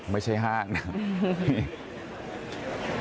ไม่ใช่ห้างนะ